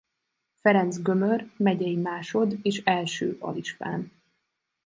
Ferencz Gömör megyei másod és első alispán.